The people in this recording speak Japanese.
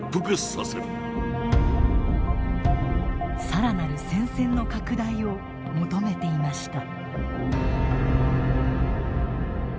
更なる戦線の拡大を求めていました。